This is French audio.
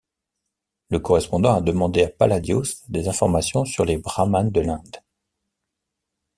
Le correspondant a demandé à Palladios des informations sur les Brahmanes de l'Inde.